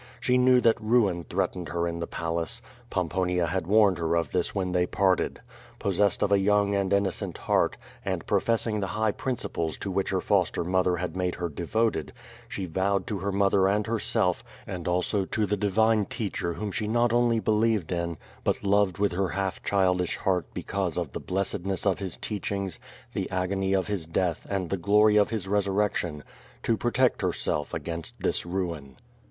She knew that ruin threatened her in the palace. Pomponia had warned her of this when they parted. Possessed of a young and innocent heart, and professing the high principles to which her foster mother had made her devoted, she vowed to her motlier and herself, and also to the Divine Teacher whom she not only believed in, but loved with her half childish heart because of the blessed ness of his teachings, the agony of His death and the glory of His resurrection, to protect herself against this ruin.